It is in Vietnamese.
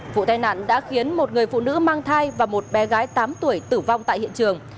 vụ tai nạn đã khiến một người phụ nữ mang thai và một bé gái tám tuổi tử vong tại hiện trường